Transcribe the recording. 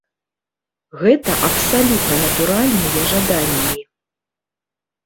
Гэта абсалютна натуральныя жаданні.